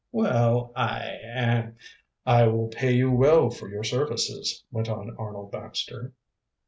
"Well, I er " "I will pay you well for your services," went on Arnold Baxter.